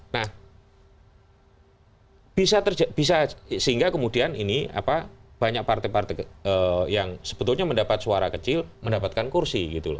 nah bisa sehingga kemudian ini banyak partai partai yang sebetulnya mendapatkan kursi